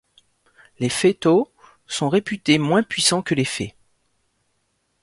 Les féetauds sont réputés moins puissants que les fées.